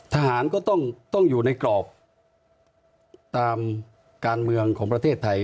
ทหารก็ต้องอยู่ในกรอบตามการเมืองของประเทศไทย